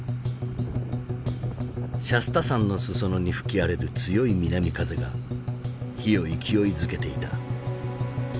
シャスタ山の裾野に吹き荒れる強い南風が火を勢いづけていた。